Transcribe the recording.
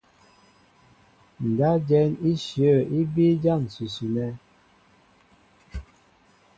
Ndáp jɛ̌n íshyə̂ í bíí ján ǹsʉsʉ nɛ́.